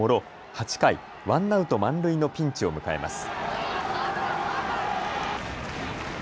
８回、ワンアウト満塁のピンチを迎えます。